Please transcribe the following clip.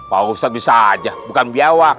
wah ustadz bisa aja bukan biawak